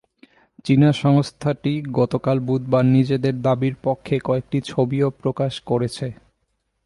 চীনা সংস্থাটি গতকাল বুধবার নিজেদের দাবির পক্ষে কয়েকটি ছবিও প্রকাশ করেছে।